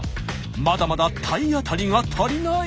まだまだ体当たりが足りない。